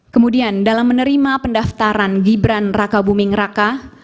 kemudian dalam menerima pendaftaran gibran raka buming raka